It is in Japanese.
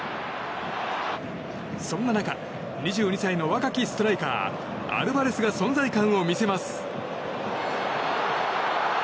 そんな中２２歳の若きストライカーアルバレスが存在感を見せます。